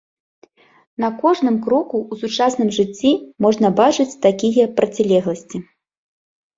На кожным кроку ў сучасным жыцці можна бачыць такія процілегласці.